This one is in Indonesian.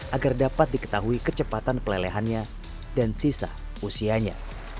agar dapat diketahui kecepatan pelelehannya dan sisa usianya